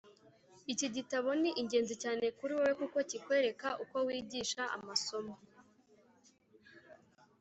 Iki gitabo ni ingenzi cyane kuri wowe kuko kikwereka uko wigisha amasomo